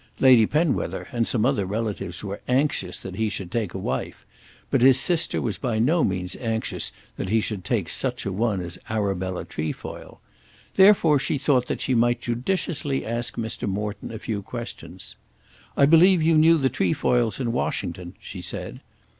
Lady Penwether and some other relatives were anxious that he should take a wife; but his sister was by no means anxious that he should take such a one as Arabella Trefoil. Therefore she thought that she might judiciously ask Mr. Morton a few questions. "I believe you knew the Trefoils in Washington?" she said.